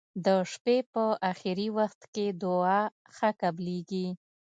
د شپي په اخرې وخت کې دعا ښه قبلیږی.